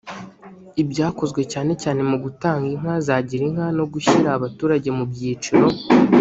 ibyakozwe cyane cyane mu gutanga inka za girinka no gushyira abaturage mu byiciro